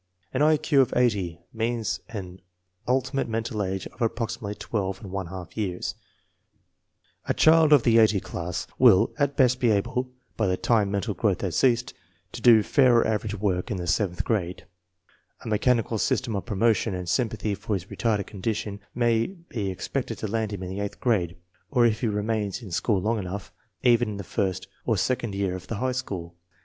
An I Q of 80 means an ultimate mental age of ap proximately twelve and one half years. A child of the 80 class will at best be able, by the time mental growth has ceased, to do fair or average work in the 130 INTELLIGENCE OF SCHOOL CHILDREN seventh grade. A mechanical system of promotion and sympathy for his retarded condition may be ex pected to land him in the eighth grade, or if he re mains in school long enough, even in the first or sec ond year of the high school.